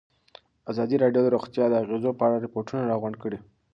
ازادي راډیو د روغتیا د اغېزو په اړه ریپوټونه راغونډ کړي.